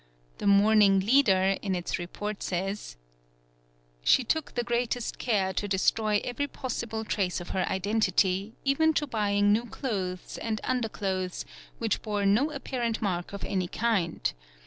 The "Morning Leader' in its report says:—'' She took the greatest care to destroy every possible trace of her identity, even to buying new clothes and underclothes which bore no apparent mark of any kind.